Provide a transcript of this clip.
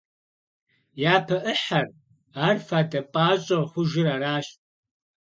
Япэ ӏыхьэр, ар «фадэ пӀащӀэ» хъужыр аращ.